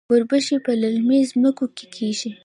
وربشې په للمي ځمکو کې کیږي.